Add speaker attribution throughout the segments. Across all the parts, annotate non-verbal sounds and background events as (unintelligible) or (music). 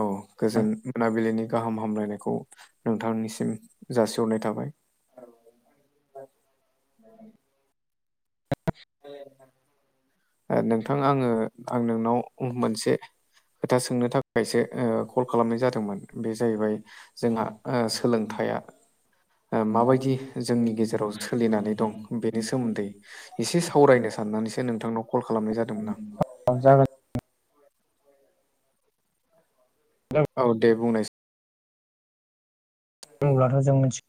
Speaker 1: औ गोजोन मोनाबिलिनि गाहाम हामलायनायखौ नोंथांनिसिम जासिहरनाय थाबाय ए नोंथां आंङो आं नोंनाव मोनसे खोथा सोंनो थाखाय खायसे कल खालामनाय जादोंमोन बे जाहैबाय जोंहा सोलोंथाइया माबायदि जोंनि गेजेराव सोलिनानै
Speaker 2: औ
Speaker 1: दं बेनि सोमोन्दै? एसे सावरायनो साननानैसो नोंथांनाव कल खालामनाय जादोंमोन आं।
Speaker 2: सोंजागोन द
Speaker 1: औ दे बुंनायसैय
Speaker 2: बुंब्लाथ' जों मिथिगोव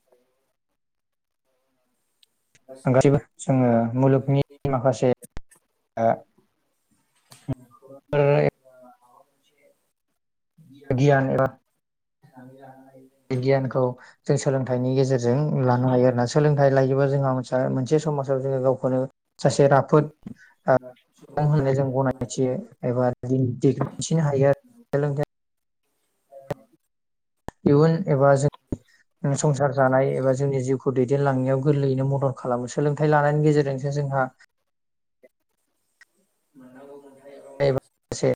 Speaker 2: गासैबो जोंङो मुलुगनि माखासे
Speaker 1: बि
Speaker 2: गियान एबा गियानखौ जों सोलोंथाइनि गेजेरजों लानो हायो आरोना सोलोंथाइ लायोबा जोंहा दा मोनसे समाजाव जोंङो गावखौनो सासे राफोद होननानै जों गनायथियो एबान्थिनो हायो आरो सोलोंथाय इयुन एबा जों संसार जानाय एबा जोंनि जिउखौ दैदेनलांनायाव गोरलैयैनो मदद खालामो सोलोंथाइ लानायनि गेजेरजोंसो जोंहा
Speaker 1: (unintelligible)
Speaker 2: एसे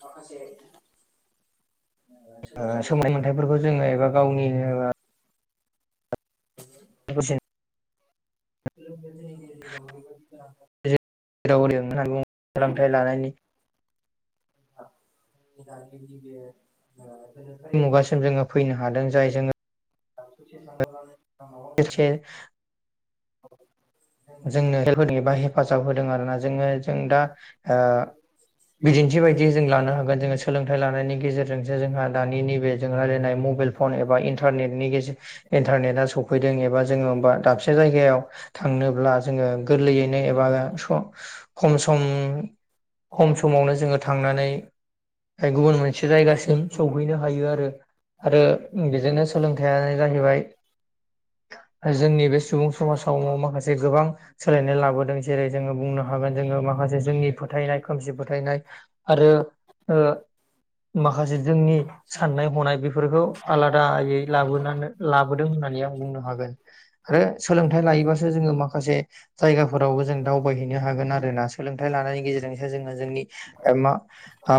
Speaker 1: माखासे
Speaker 2: सोमनाय मोन्थाइफोरखौ जोङो एबा गावनि (unintelligible)
Speaker 1: (unintelligible)
Speaker 2: (unintelligible) सोलोंथाइ लानायनि
Speaker 1: (unintelligible)
Speaker 2: मुगासिम जोङो फैनो हादों जाय जोङो एसे
Speaker 1: (unintelligible)
Speaker 2: जोंनो हेल्प होदों एबा हेफ हेफाजाब होदों आरोना जोङो जों दा ओ बिदिन्थि बायदियै जों लानो हागोन जो सोलोंथाइ लानायनि गेजेरजोंसो जोंहा दानि नैबे जों रायलायनाय मबाइल फन एबा इनथारनेतनि सफैदों एबा जोङो होमबाथ दाबसे जायगायाव थांनोब्ला जोङो गोरलैयैनो एबा स खम सम खम समावनो जोङो थांनानै जाय गुबुन मोनसे जायगासिम सहैनो हायो आरो आरो बेजोंनो सोलोंथाइानो जाहैबाय जोंनि बे सुबुं समाजाव माखासे गोबां सोलायनाय लाबोदों जेरै जोङो बुंनो हागोन जोङो माखासे जोंनि फोथायनाय खोमसि फोथायनाय आरो ओ माखासे जोंनि साननाय हनाय बेफोरखौ आलादायै लाबोनानै लाबोदों होननानै आं बुंनो हागोन। आरो सोलोंथाइ लायोबासो जोङो माखासे जायगाफोरावबो जों दावबायहैनो हागोन आरो ना सोलोंथाइ लानायनि गेजेरजोंसो जोङो जोंनि मा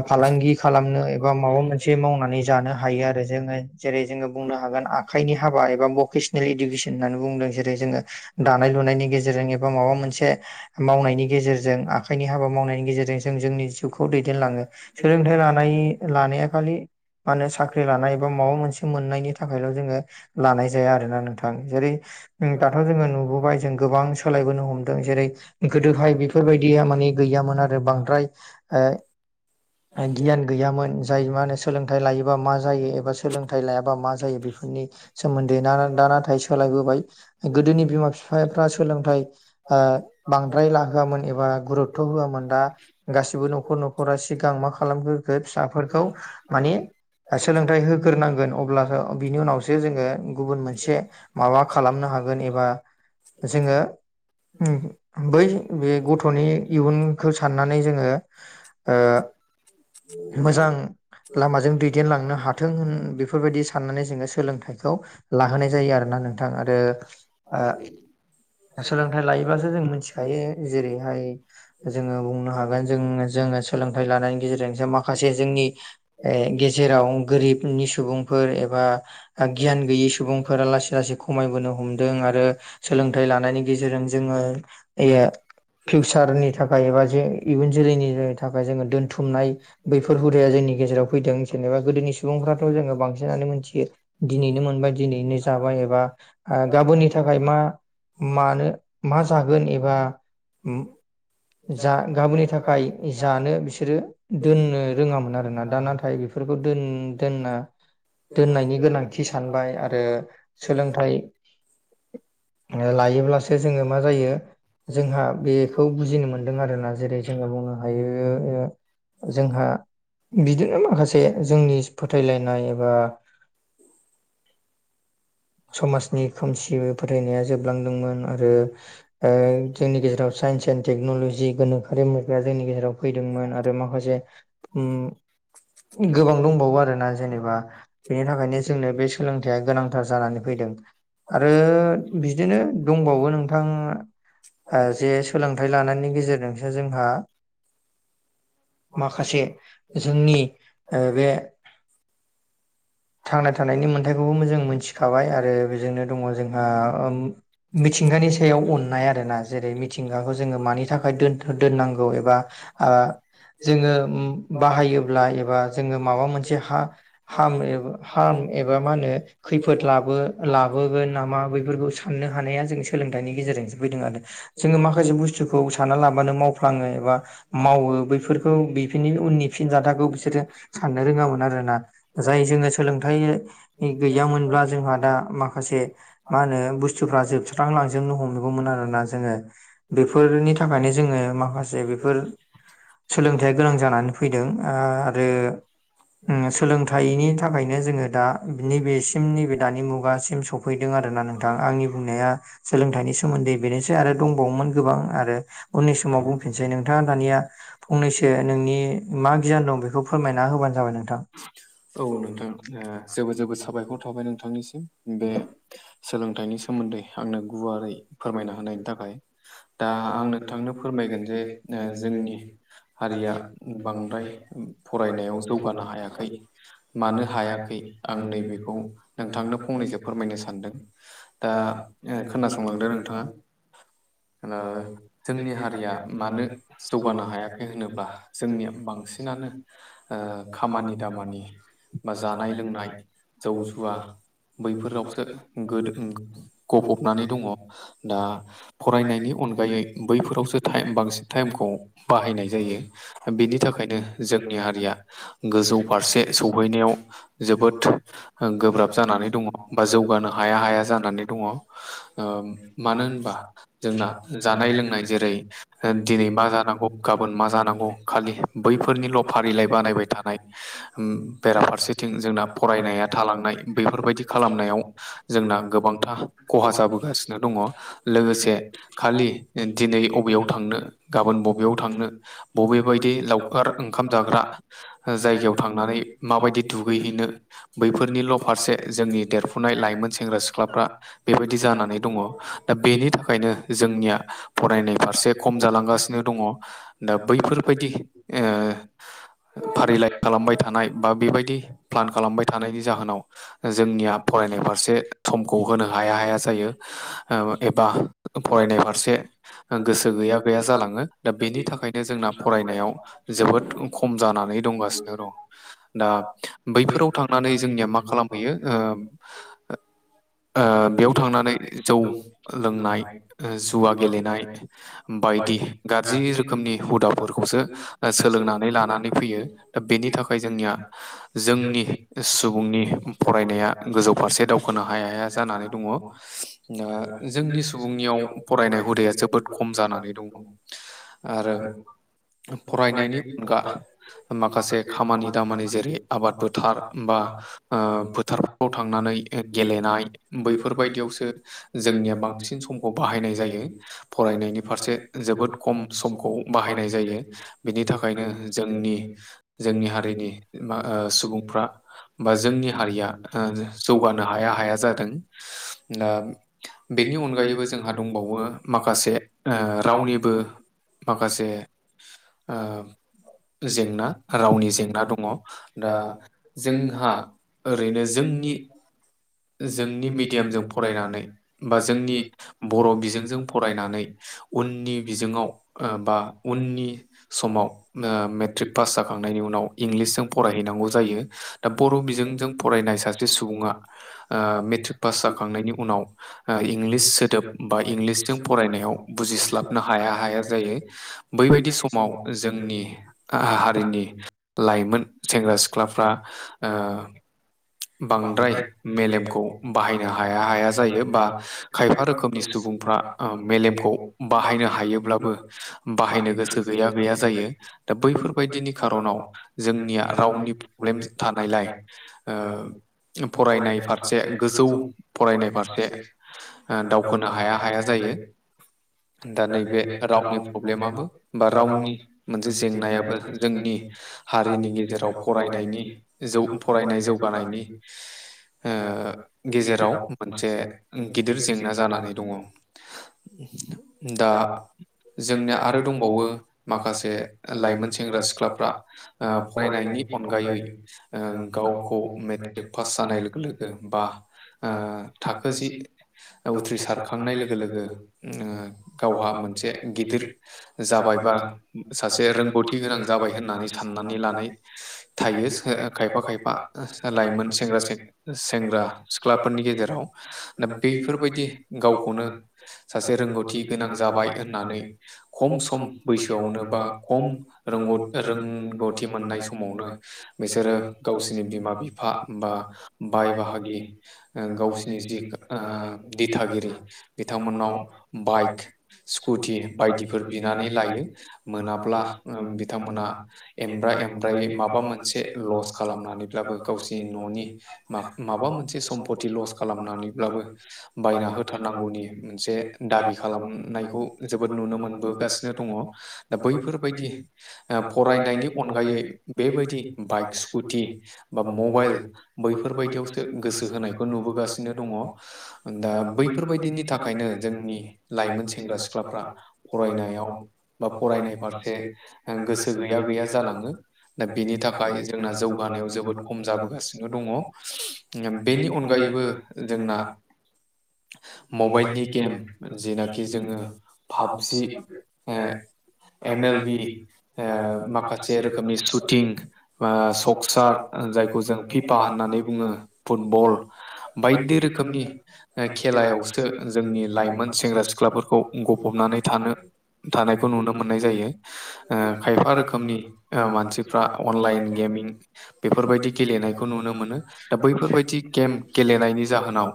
Speaker 2: फालांगि खालामनो एबा माबा मोनसे मावनानै जानो हायो आरो जोङो जेरै जोङो बुंनो हागोन आखाइनि हाबा एबा भकेसनेल इडुकेसन होननानै बुंदों जेरै जोङो दानाय लुनायनि गेजेरजों एबा माबा माबा मोनसे मावनायनि गेजेरजों आखाइनि हाबा मावनायनि गेजेरजों जों जोंनि जिउखौ दैदेनलाङो सोलोंथाइ लानाय लानाया खालि मा होनो साख्रि लानाय एा माबा मोनसे मोननायनि थाखायल' जोङो लानाय जाया आरोना नोंथां जेरै उ दाथ' जोङो नुबोबाय जों गोबां सोलायबोनो हमदों जेरै गोदोहाय बेफोरबायदि म गैयोन आरो बांद्राय गियान गैयोन जाय मा होनो सोलोंथाइ लायोबा मा जायो एबा सोलोंथाइ लायाबा मा जायो बेफोरनि सोमोन्दै दा नाथाय सोलायबोबाय गोदोनि बिमा बिफाफ्रा सोलोंथाइ ओ बांद्राय लाहआमोन एबा गुरुत्थ' होआमोन दा गासिबो न'खर न'खरा सिगां मा खालामग्रखो फिसाफोरखौ माने ओ सोलोंथाइ हो होग्रोनांगोन अब्लासो बिनि उनावसो जोङो गुबुन मोनसे माबा खालामनो हागोन एबा जोङो उ बै बे गथ'नि इयुनखौ साननानै जोङो ओ मोजां
Speaker 1: (inaudible)
Speaker 2: लामाजों दैदेनलांनो हाथों होन बेफोरबायदि साननानै जोङो सोलोंथाइखौ लाहोनाय जायो आरोना नोंथां आरो सोलोंथाइ लायोबसो जों मिथिखायो जेरैहाय जोङो बुंनो हागोन जों जोङो सोलोंथाइ लानायनि गेजेरजोंसो मा खासे जोंनि गेजेराव गोरिबनि सुबुंफोर एबा गियान गैयि सुबुंफोरा लासै लासै खमायबोनो हमदों आरो सोलोंथाइ लानायनि गेजेरजों जोङो ए फिउचारनि थाखाय एबा जे इयुन जोलैनि थाखाय जोङो दोनथुमनाय बैफोर हुदाया जोंनि गेजेराव फैदों जेनेबा गोदोनि सुबुंफ्राथ' जोङो बांसिनानो मिथियो दिनैनो मोनबाय दिनैनो जाबाय एबा गाबोननि थाखाय मा मानो मा जागोन एबा जा गाबोननि थाखाय जानो बिसोरो दोननो रोङामोन आरोना, दा नाथाय बेफोर बेफोरखौ दोन दोनना
Speaker 1: जल्लालिब
Speaker 2: नि गोनांथि सानबाय आरो सोलोंथाइ ओ लायोब्लासो जोङो मा जायो जोंहा बे खौ बुजिनो मोन्दों आरोना जेरै जोङो बुंनो हायो ओ जोंहा बिदिनो माखासे जोंनि फोथायलायनाय एबा समाजनि खोमसि फोथायनाया जोबलांदोंमोन आरो ओ जोंनि गेजेराव साइन्स एन्ड टेक्न'लजि गोनोखोआि मुगाया जोंनि गेजेराव फैदोंमोन आरो माखासे उम गोबां दंबावो आरोोना जेनेबा बेनि थाखायनो जोंनो बे सोलोंथाइया गोनांथार जानानै फैदों। आरो बिदिनो दंबावो नोंथाङा ओ जे सोलोंथाइ लानायनि गेजेरजोंसो जोंहा
Speaker 1: माखासे
Speaker 2: जोंनि ओ बे थांना थानायनि मोन्थायखौबो जों मोनथिखाबाय आरो बेजोंनो दङ जोंहा ओ मिथिंगानि सायाव अननाय आरोना जेरै मिथिंगाखौ जोङो मानि थाखाय दोन दोननांगौ एबा आं जोङो बाहायोब्ला एबा जोङो माबा मोनसे हा हाम एबा हार्म एबा मा होनो खैफोद लाबो लाबोगोन नामा बे फोरखौ साननो हानाया जों सोलोंथाइनि गेजेरजों फैदों आरो। जोङो माखासे बुस्थुखौ सानना लाबानो मावफ्लाङो एबा मावो बैफोरखौ बेफोरनि उननि फिनजाथाखौ बिसोरो साननो रोङामोन आरोना। जाय जोङो सोलोंथाइ गैयामोनब्ला जोंहा दा माखासे मा होनो बुस्थुफ्रा जोबस्रांलांजोबनो हमनगौमोन आरोोना जोङो, बेफोरनि थाखायनो जोङो माखासे बेफोर सोलोंथायाइया गोनां जानानै फैदों आरो उम सोलोंथाइनि थाखायनो जोङो दा नैबेसिम नैबे दानि मुगासिम सफैदों आरो। आरोना नोंथां आंनि बुंनाया सोलोंथाइनि सोमोन्दै बेनोसै आरो दंबावोमोन गोबां आरो उननि समाव बुंफिनसै। नोंथाङा दानिया फंनैसो नोंनि मा गियान दं बेखौ फोरमायना होबानो जाबाय नोंथां। औ।
Speaker 1: जेबोर जेबोर साबायखर थाबाय नोंथांनिसिम बे सोलोंथाइनि सोमोन्दै आंनो गुवारै फोरमायना होनायनि थाखाय। दा आं नोंथांनो फोरमायगोन जे ओ जोंनि हारिया बांद्राय फरायनायाव जौगानो हायाखै, मानो हाया खै, आं नैबेखौ नोंथांनो फंनैसो फोरमायनो सानदों, दा ओ खोनासंलांदो नोंथाङा ओ जोंनि हारिया मानो जौगानो हायाखै होनोब्ला जोंनिया बांसिनानो ओ खामानि दामानि बा जानाय लोंनाय जौ जुवा बैफोरावसो गोदो गफबनानै दङ, दा फरायनायनि अनगायै बैफोरावसो टाइम बांसिन टाइमखौ बाहायनाय जायो। बिनि थाखायनो जोंनि हारिया गोजौ फारसे सहैनायाव जोबोद गोब्राब जानानै दङ, बा जौगानो हाया हाया जानानै दङ। ओ मानो होनबा जोंना जानाय लोंनाय जेरै ओ दिनै मा जानांगौ गाबोन मा जानांगौ खालि बैफोरनिल' फारिलाइ बानायबाय थानाय, बेराफारसेथिं जोंना फरायनाया थालांनाय बेफोरबायदि खालामनायाव जोंना गोबांथा खहा जाबोगासिनो दंङ लोगोसे खालि दिनै अबेयाव थांनो गाबोन बबेयाव थांनो बबेबायदि लाव खार ओंखाम जाग्रा ओ जायगायाव थांनानै माबायदि दु दुगैहैनो बैफोरनिल' फारसे जोंनि देरफुनाय लाइमोन सेंग्रा सिख्लाफ्रा बेबायदि जानानै दंङ दा बेनि थाखायनो जोंनिया फरायनाय फारसे खम जालांगासिनो दंङ। दा बैफोरबायदि
Speaker 2: औ
Speaker 1: ओ
Speaker 2: (unintelligible)
Speaker 1: फारिलाइ खालामबाय थानाय बा बेबायदि प्लान खालामबाय थानायनि जाहोनाव जोंनिया फरायनाय फारसे समखौ होनो हाया हाया जायो। औ एबा फरायनाय फारसे ओ गोसो गैया गैया जालांङो। दा बेनि थाखायनो जोंना फरायनायाव जोबोद खम जानानै दंगासिनो दं। दा बैफोराव थांनानै जोंनिया मा खालामहैयो ओ ओ बेयाव थांनानै जौ लोंनाय जुवा गेलेनाय बायदि गारजि रोखोमनि हुदाफोरखौसो ओ सोलोंनानै लानानै फैयो। दा बेनि थाखाय बे जोंनिया जोंनि सुबुंनि फरायनाया गोजौ फारसे दावखोनो हाया हाया जानानै दंङ ओ जोंनि सुबुंनियाव फरायनाय हुदाया जोबोद खम जानानै दंङ। आरो फरायनायनि अनगा माखासे खामानि दामानि जेरै आब बाद फोथार बा ओ फोथारफ्राव थांनानै गेलेनाय बैफोरबायदियावसो जोंनिया बांसिन समखौ बाहायनाय जायो। फरायनायनि फारसे जोबोद खम समखौ बाहायनाय जायो। बिनि थाखायनो जोंनि जोंनि हारिनि मा ओ सुबुंफ्रा बा जोंनि हारिया ओ जौगानो हाया हाया जादों। दा बेनि अनगायैबो जोंहा दंबावो माखासे ओ रावनिबो माखासे ओ जेंना रावनि जेंना दंङ। दा जोंहा ओरैनो जोंनि जोंनि मिडियामजों फरायनानै बा जोंनि बर' बिजोंजों फरायनानै उननि बिजोंङाव ओ बा उननि समाव ओ मेट्रिक पास जाखांनायनि उनाव इंलिसजों फरायहैनांगौ जायो। दा बर' बिजोंजों फरायनाय सासे सुबुंङा ओ मेट्रिक पास जाखांनायनि उनाव ओ इंलिस सोदोब बा इंलिसजों फरायनायाव बुजिस्लाबनो हाया हाया जायो। बैबायदि समाव जोंनि आ हा-हारिनि
Speaker 2: लाइमोन
Speaker 1: सेंग्रा सिख्लाफ्रा ओ बांद्राय मेलेमखौ बाहायनो हाया हाया जायो। बा खायफा रोखोमनि सुबुंफ्रा ओ मेलेमखौ बाहायनो हायोब्लाबो बाहायनो गोसो गैया गैया जायो। दा बैफोरबायदिनि खार'नाव जोंनिया गावनि प्रब्लेमस थानायलाय ओ फरायनाय फारसे गोजौ फरायनाय फारसे ओ दावखोनो हाया हाया जायो। (inaudible) दा नैबे रावनि प्रब्लेमाबो बा रावनि मोनसे जेंनायाबो जोंनि हारिनि गेजेराव फरायनायनि जौ फरायनाय जौगानायनि ओ
Speaker 2: गेजेराव मोनसे गिदिर जेंना जानानै दंङ।
Speaker 1: दा जोंनिया आरो दंबावो माखासे लाइमोन सेंग्रा सिख्लाफ्रा ओ फरायनायनि अन अनगायै ओ गावखौ मेट्रिक पास जानाय लोगो लोगो बा ओ थाखो जि उथ्रिसारखांनाय लोगो लोगो ओ गावहा मोनसे गिदिर जाबाय बा सासे रोंगौथि गोनां जाबाय होननानै सा
Speaker 2: साननानै लानाय
Speaker 1: थायो खायफा खायफा लाइमोन सेंग्रा सेंग्रा सिख्लाफोरनि गेजेराव दा बैफोरबायदि गावखौनो सासे रोंगौथि गो गोनां जाबाय होननानै खम सम बैसोआवनो बा खम रोंगथि रोंगौथि मोननाय समाव नो बिसोरो गावसिनि बिमा बिफा बा बाय बाहागि ओ गावसिनि जि ओ दिथागिरि बिथांमोननाव बाइक स्कुटि बायदिफोर बिनानै लायो मोनाब्ला बिथांमोना एमब्रा एम फ्राय माबा मोनसे लस खालामनानैब्लाबो गावसिनि न'नि माबा मोनसे सम्पति लस खालामनानैब्लाबो बायना होथारनांगौनि मोनसे दाबि खालाम खौ जोबोद नुनो मोनबोगासिनो दङ दा बैफोरबायदि फरायनायनि अनगायै बेबायदि बाइक स्कुटि बा मबाइल बैफोरबायदियावसो गोसो होनायखौ नुबोगासिनो दा बैफोरबायदिनि थाखायनो जोंनि लाइमोन से सेंग्रा सिख्लाफ्रा फरायनायाव बा फरायनाय फारसे गोसो गैया गैया जालाङो दा बेनि थाखाय जोंना जौगानायाव जोबोद खम जाबोगासिनो दङ बेनि अनगायैबो जोंना मबाइलनि गेम जनाखि जोङो PUBG O M L B माखासे रोखोम नि शुटिं सकसार जायखौ जों फिफा होननानै बुङो फुटबल बायदि रोखोमनि खेलायावसो जोंनि लाइमोन सेंग्रा सिख्ला गफबनानै थानो थानायखौ नुनो मोननाय जायो खायफा रोखोमनि मानसिफ्रा अनलाइन गेमिं बेफोरबायदि गेलेनायखौ नुनो मोनो दा बैफोरबायदि गेम गेलेनायनि जाहोनाव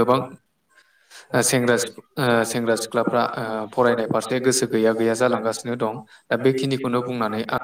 Speaker 1: गोबां
Speaker 2: (unintelligible)
Speaker 1: सेंग सि सेंग्रा सिख्लाफ्रा फरायनाय फारसे गोसो गैया गैया जालांगासिनो दं दा बेखिनि
Speaker 2: (inaudible)